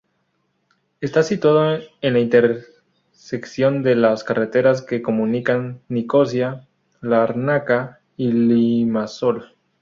Está situado en la intersección de las carreteras que comunican Nicosia, Lárnaca y Limasol.